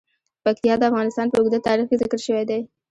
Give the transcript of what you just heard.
پکتیا د افغانستان په اوږده تاریخ کې ذکر شوی دی.